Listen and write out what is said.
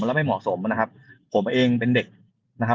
แล้วไม่เหมาะสมนะครับผมเองเป็นเด็กนะครับ